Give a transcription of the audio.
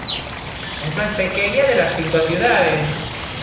Es la más pequeña de las cinco ciudades.